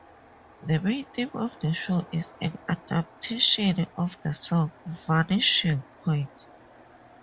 The main theme for the show is an adaptation of the song "Vanishing Point".